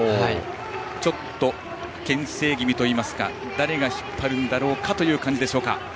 ちょっとけん制気味といいますか誰が引っ張るんだろうかという感じでしょうか。